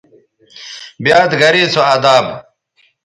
بیاد گرے سو اداب